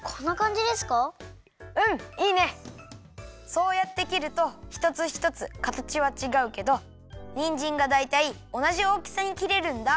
そうやってきるとひとつひとつかたちはちがうけどにんじんがだいたいおなじおおきさにきれるんだ。